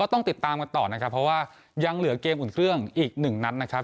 ต้องติดตามกันต่อนะครับเพราะว่ายังเหลือเกมอุ่นเครื่องอีกหนึ่งนัดนะครับ